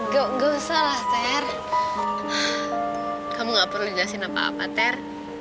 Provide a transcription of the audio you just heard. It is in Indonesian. gak usah lah ter kamu nggak perlu jelasin apa apa ter